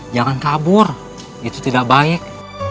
jangan kabur itu tidak baik